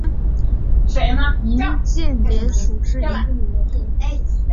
莹蚬蝶属是蚬蝶科蚬蝶亚科树蚬蝶族里的一个属。